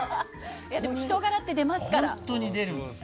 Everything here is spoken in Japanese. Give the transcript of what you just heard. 人柄って出ますから。